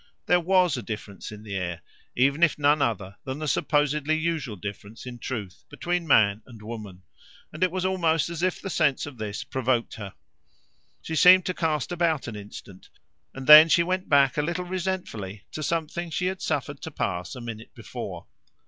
There WAS a difference in the air even if none other than the supposedly usual difference in truth between man and woman; and it was almost as if the sense of this provoked her. She seemed to cast about an instant, and then she went back a little resentfully to something she had suffered to pass a minute before.